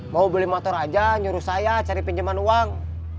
mau beli motor aja nyuruh saya cari pinjaman uang